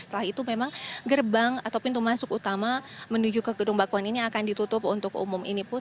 setelah itu memang gerbang atau pintu masuk utama menuju ke gedung bakwan ini akan ditutup untuk umum ini pun